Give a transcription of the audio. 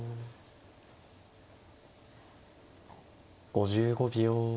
５５秒。